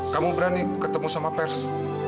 kamu berani ketemu sama pers